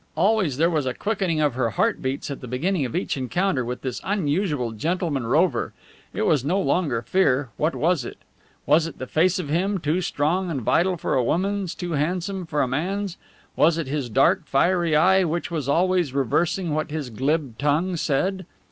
Always there was a quickening of her heart beats at the beginning of each encounter with this unusual gentleman rover. It was no longer fear. What was it? Was it the face of him, too strong and vital for a woman's, too handsome for a man's? Was it his dark, fiery eye which was always reversing what his glib tongue said?